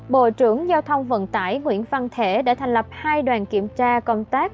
bộ trưởng giao thông vận tải nguyễn văn thể đã thành lập hai đoàn kiểm tra công tác